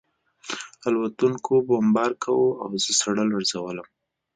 الوتکو بمبار کاوه او زه ساړه لړزولم